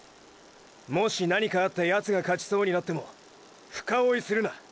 もし何かあってヤツが勝ちそうになっても深追いするな。